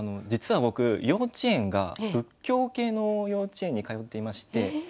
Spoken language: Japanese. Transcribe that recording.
実は僕幼稚園が仏教系の幼稚園に通っていまして。